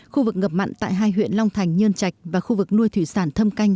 khu vực ngập mặn tại hai huyện long thành nhơn trạch và khu vực nuôi thủy sản thâm canh